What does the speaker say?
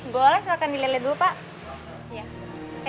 boleh silahkan dileleh dulu pak